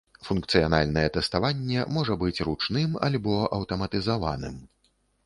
Функцыянальнае тэставанне можа быць ручным альбо аўтаматызаваным.